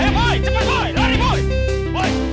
tambah speed di boy